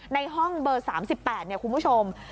ในห้องเบอร์๓๘คุณผู้ชม